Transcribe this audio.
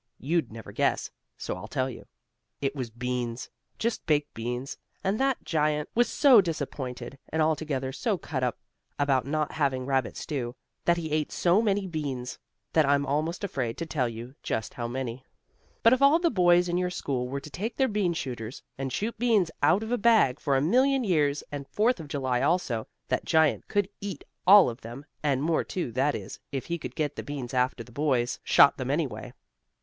You'd never guess, so I'll tell you. It was beans just baked beans, and that giant was so disappointed, and altogether so cut up about not having rabbit stew, that he ate so many beans, that I'm almost afraid to tell you just how many. But if all the boys in your school were to take their bean shooters, and shoot beans out of a bag for a million years, and Fourth of July also, that giant could eat all of them, and more too that is, if he could get the beans after the boys shot them away.